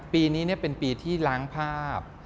ปีนี้เป็นปีที่ล้างภาพ